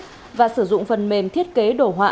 mình đã sử dụng phần mềm thiết kế đồ họa